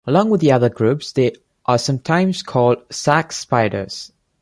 Along with other groups, they are sometimes called "sac spiders".